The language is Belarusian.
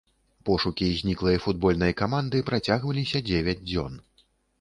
Пошукі зніклай футбольнай каманды працягваліся дзевяць дзён.